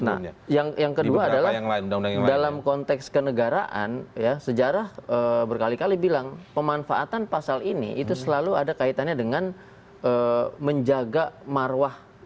nah yang kedua adalah dalam konteks kenegaraan ya sejarah berkali kali bilang pemanfaatan pasal ini itu selalu ada kaitannya dengan menjaga marwah